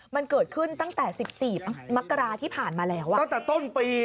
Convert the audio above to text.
มันเกิดขึ้นตั้งแต่๑๔มกราที่ผ่านมาแล้วอ่ะตั้งแต่ต้นปี